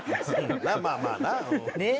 まあまあまあなうん。ねっ？